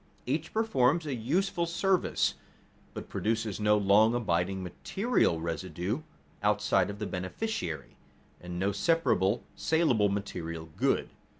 Each performs a useful service, but produces no long abiding material result outside of the beneficiary, and no separable, salable material good.